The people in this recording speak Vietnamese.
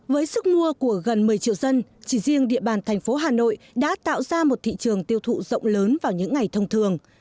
với sức mua của gần một mươi triệu dân chỉ riêng địa bàn thành phố hà nội đã tạo ra một thị trường tiêu thụ rộng lớn vào những ngày thông thường